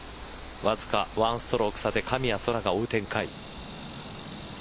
わずか１ストローク差で神谷そらが追う展開。